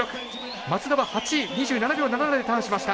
松田は８位、２７秒７７でターン。